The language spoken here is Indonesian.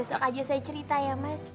besok aja saya cerita ya mas